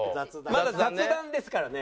まだ雑談ですからね。